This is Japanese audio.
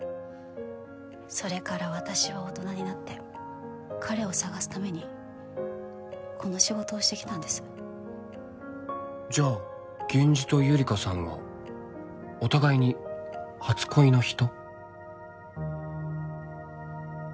それから私は大人になって彼を捜すためにこの仕事をしてきたんですじゃあゲンジとゆりかさんがお互いに初恋の人？